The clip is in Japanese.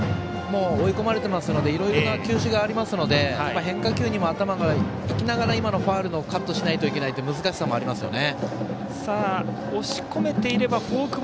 追い込まれていますのでいろいろな球種がありますので変化球にも頭がいきながら今のファウルをカットしないといけない難しさもありますよね。